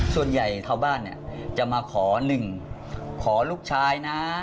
ส่วนใหญ่เท่าบ้านเนี่ยจะมาขอหนึ่งขอลูกชายนะ